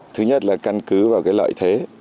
thứ nhất là căn cứ vào cái lợi thế